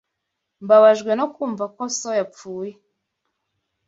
Mbabajwe no kumva ko so yapfuye.